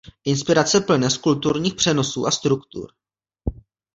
Inspirace plyne z kulturních přenosů a struktur.